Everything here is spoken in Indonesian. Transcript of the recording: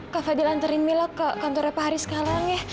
kak fadil anterin mila ke kantornya pak haris sekarang ya